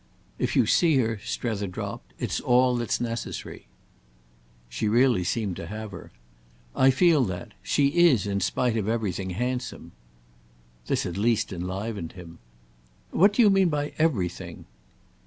"If you see her," Strether dropped, "it's all that's necessary." She really seemed to have her. "I feel that. She is, in spite of everything, handsome." This at least enlivened him. "What do you mean by everything?"